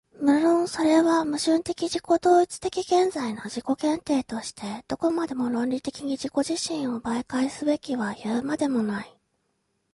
無論それは矛盾的自己同一的現在の自己限定としてどこまでも論理的に自己自身を媒介すべきはいうまでもない。